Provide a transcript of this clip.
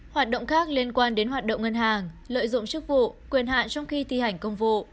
hoạt động khác liên quan đến hoạt động ngân hàng lợi dụng chức vụ quyền hạn trong khi thi hành công vụ